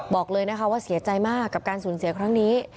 บอกเลยนะคะว่าเสียใจมากกับการสูญเสียครั้งนี้